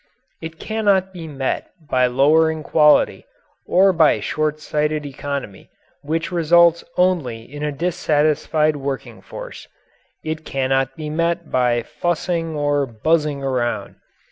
It cannot be met by lowering quality or by shortsighted economy, which results only in a dissatisfied working force. It cannot be met by fussing or buzzing around.